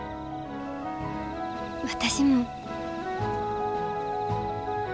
私も。